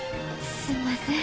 すんません。